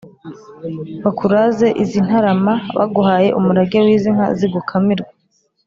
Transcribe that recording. bakuraze izi ntarama: baguhaye umurage w’izi nka zigukamirwa